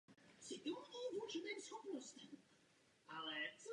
Jednání tedy nezačalo později.